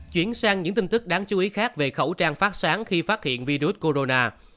chuyển sang những tin tức đáng chú ý khác về khẩu trang phát sáng khi phát hiện virus corona